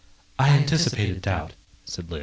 "I anticipated doubt," said Liz.